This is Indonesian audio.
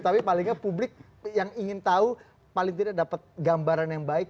tapi palingnya publik yang ingin tahu paling tidak dapat gambaran yang baik